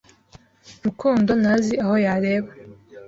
Rukundo ntazi aho yareba.